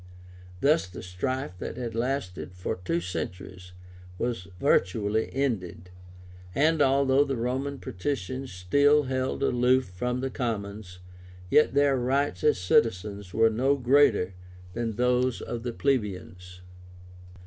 Thus the strife that had lasted for two centuries was virtually ended; and although the Roman patricians still held aloof from the commons, yet their rights as citizens were no greater than those of the plebeians.